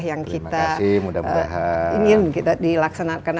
yang kita ingin kita dilaksanakan